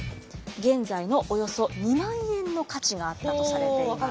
現在のおよそ２万円の価値があったとされています。